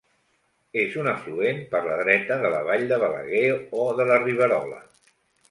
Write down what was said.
És un afluent per la dreta de la vall de Balaguer, o de la Riberola.